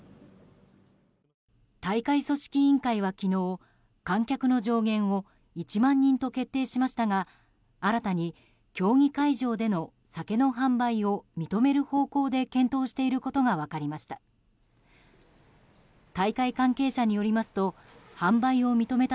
大会組織委員会は昨日観客の上限を１万人と決定しましたが新たに競技会場での酒の販売を認める方向で検討していることが分かりました。